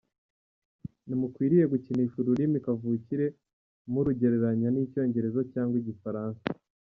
Ntimukwiriye gukinisha ururimi kavukire murugeranya n’Icyongereza cyangwa Igifaransa.